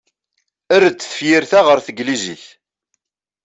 Err-d tafyirt-a ɣer tneglizit.